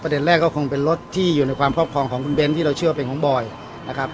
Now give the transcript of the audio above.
แรกก็คงเป็นรถที่อยู่ในความครอบครองของคุณเบ้นที่เราเชื่อเป็นของบอยนะครับ